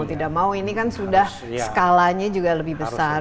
ini kan sudah skalanya juga lebih besar